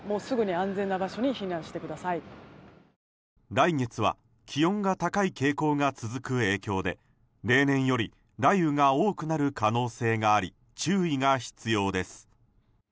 来月は気温が高い傾向が続く影響で例年より雷雨が多くなる可能性があり注意が必要です。